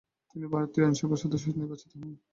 তিনি ভারতীয় আইনসভার সদস্য নির্বাচিত হন।